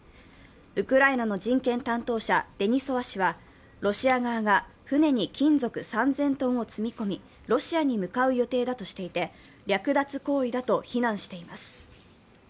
ウクライナの人権担当者デニソワ氏は、ロシア側が船に金属３０００ｔを積み込みロシアに向かう予定だとしていて略奪行為だと非難しています。